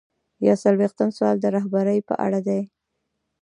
یو څلویښتم سوال د رهبرۍ په اړه دی.